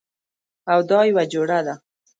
او دا یوه جوړه ده